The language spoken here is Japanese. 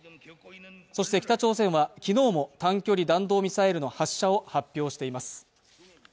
そして北朝鮮はきのうも短距離弾道ミサイルの発射を発表しています